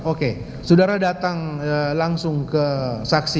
oke saudara datang langsung ke saksi